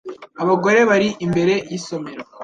Abagore bari imbere yisomero.